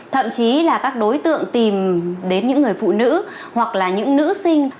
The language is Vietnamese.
thậm chí là các đối tượng tìm đến những người phụ nữ hoặc là những nữ sinh